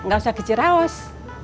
gak usah kecerahos